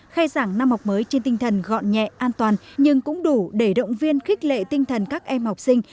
khai giảng năm học mới trên tinh thần gọn nhẹ an toàn nhưng cũng đủ để động viên khích lệ tinh thần các em học sinh